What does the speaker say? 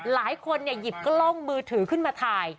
หลายคนหยิบกล้องมือถือขึ้นมาถ่าย